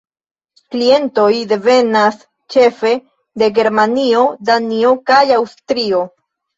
Klientoj devenas ĉefe de Germanio, Danio kaj Aŭstrio.